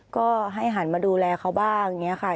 ก็ให้หันมาดูแลเขาบ้างอย่างนี้ค่ะ